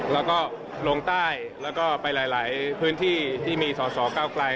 แล้วก็ลงใต้แล้วก็ไปหลายพื้นที่ที่มีสอสอก้าวไกล